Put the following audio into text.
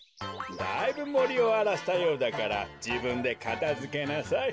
だいぶもりをあらしたようだからじぶんでかたづけなさい。